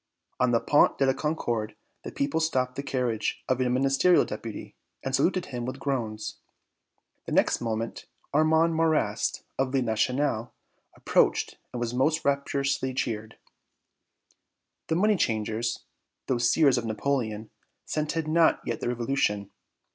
On the Pont de la Concorde the people stopped the carriage of a Ministerial Deputy and saluted him with groans. The next moment Armand Marrast, of "Le National," approached and was most rapturously cheered. The money changers, those seers of Napoleon, scented not yet the revolution.